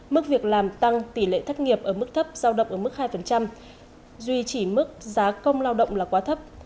mức việc làm tăng tỷ lệ thất nghiệp ở mức thấp giao động ở mức hai duy trì mức giá công lao động là quá thấp